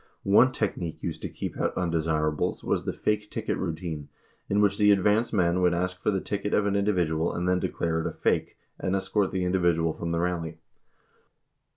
One technique used to keep out "undesirables" was the "fake ticket routine," in which the advanceman would ask for the ticket of an individual and then declare it a "fake" and escort the individual from the rally.